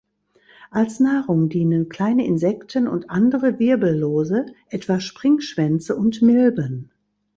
Als Nahrung dienen kleine Insekten und andere Wirbellose, etwa Springschwänze und Milben.